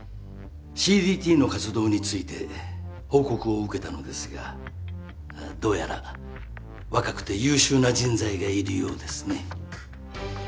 ＣＤＴの活動について報告を受けたのですがどうやら若くて優秀な人材がいるようですね。